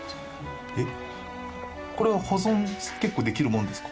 これは保存結構できるものですか？